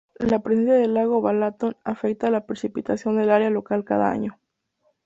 La presencia del lago Balatón afecta a la precipitación de área local cada año.